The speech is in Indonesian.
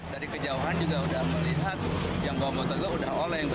dari kejauhan juga udah melihat yang bawa motor gue udah oleng